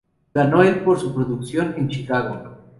Ganó el por su producción en "Chicago".